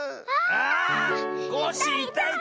あコッシーいたいた。